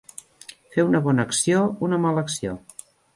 Fer una bona acció, una mala acció.